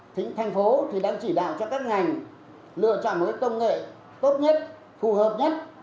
thính thành phố đang chỉ đạo cho các ngành lựa chọn một công nghệ tốt nhất phù hợp nhất